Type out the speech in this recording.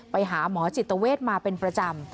ไปหาหมอจิตเวทมาเป็นประจำ